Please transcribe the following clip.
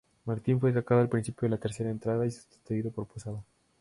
Martin fue sacado al principio de la tercera entrada y sustituido por Posada.